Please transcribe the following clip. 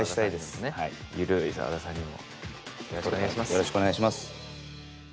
よろしくお願いします。